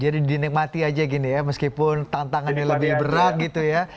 jadi dinikmati aja gini ya meskipun tantangannya lebih berat gitu ya